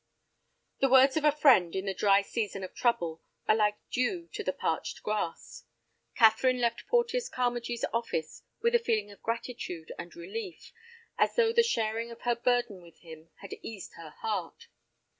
The words of a friend in the dry season of trouble are like dew to the parched grass. Catherine left Porteus Carmagee's office with a feeling of gratitude and relief, as though the sharing of her burden with him had eased her heart.